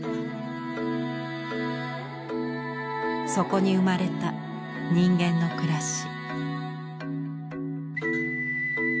そこに生まれた人間の暮らし。